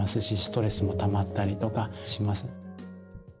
しストレスもたまったりとかします。